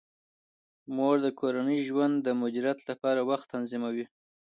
مور د کورني ژوند د مدیریت لپاره وخت تنظیموي.